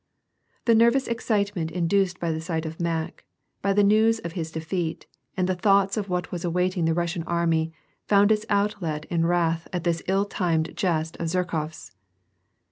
The nervous excitement induced by the sight of Mack, by the news of his defeat, and the thoughts of what was awaiting the Russian army, found its outlet in wrath at this ill timed jest of Zherkof s.